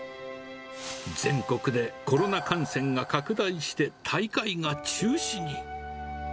全国でコロナ感染が拡大して、大会が中止に。